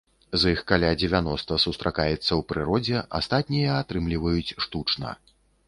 З іх каля дзевяноста сустракаецца ў прыродзе, астатнія атрымліваюць штучна.